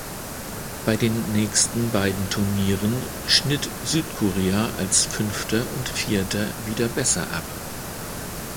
Bei den nächsten beiden Turnieren schnitt Südkorea als Fünfter und Vierter wieder besser ab.